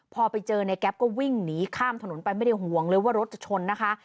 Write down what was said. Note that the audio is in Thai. พอไปเจอในแก๊ปก็วิ่งหนีข้ามถนนไปไม่ได้ห่วงเลยว่ารถจะชนนะคะ